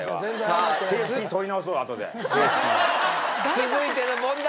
続いての問題